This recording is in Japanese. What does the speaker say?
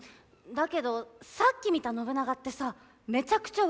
だけどさっき見た信長ってさめちゃくちゃ和風だったじゃん。